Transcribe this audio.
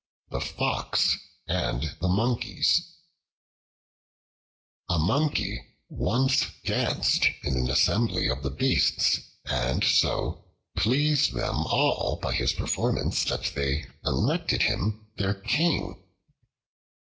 The Fox and the Monkey A MONKEY once danced in an assembly of the Beasts, and so pleased them all by his performance that they elected him their King.